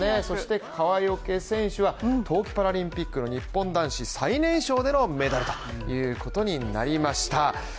そして川除選手は、冬季パラリンピックの日本男子最年少でのメダルということになりました。